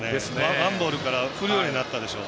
ワンボールから振るようになったでしょ。